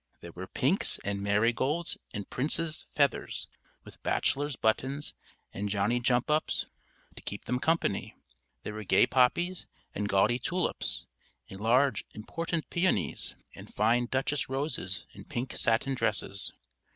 There were pinks and marigolds and princes' feathers, with bachelor's buttons and Johnny jump ups to keep them company. There were gay poppies and gaudy tulips, and large important peonies and fine Duchess roses in pink satin dresses.